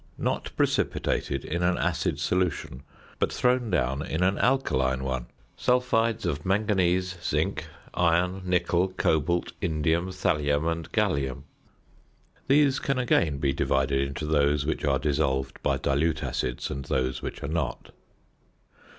Not precipitated in an acid solution, but thrown down in an alkaline one. Sulphides of Mn, Zn, Fe, Ni, Co, In, Tl, and Ga. These can again be divided into those which are dissolved by dilute acids and those which are not.